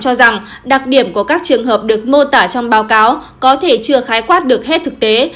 cho rằng đặc điểm của các trường hợp được mô tả trong báo cáo có thể chưa khái quát được hết thực tế